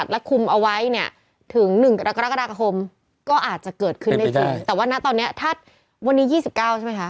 แต่ว่านะตอนนี้ถ้าวันนี้๒๙ใช่ไหมคะ